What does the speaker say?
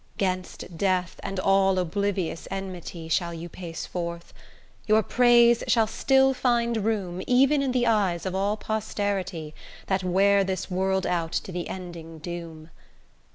'Gainst death, and all oblivious enmity Shall you pace forth; your praise shall still find room Even in the eyes of all posterity That wear this world out to the ending doom.